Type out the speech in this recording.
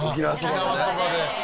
沖縄そばで。